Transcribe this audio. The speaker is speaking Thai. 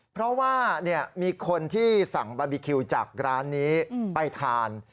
เพราะว่ามีคนที่สั่งบาร์บีคิวจากร้านนี้ไปทาน